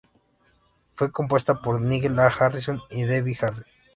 Fue compuesta por Nigel Harrison y Debbie Harry.